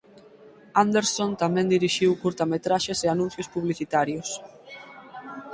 Anderson tamén dirixiu curtametraxes e anuncios publicitarios.